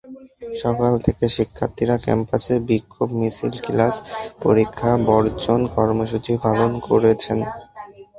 সকাল থেকে শিক্ষার্থীরা ক্যাম্পাসে বিক্ষোভ মিছিল, ক্লাস-পরীক্ষা বর্জন কর্মসূচি পালন করেছেন।